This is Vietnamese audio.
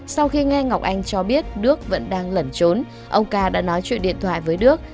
sau khi nghe ngọc anh cho biết đức vẫn đang lẩn trốn ông ca đã nói chuyện điện thoại với đức